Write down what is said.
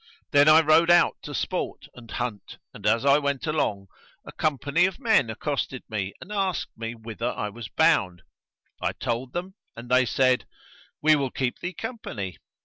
Then I rode out to sport and hunt and, as I went along, a company of men accosted me and asked me whither I was bound I told them and they said, "We will keep thee company."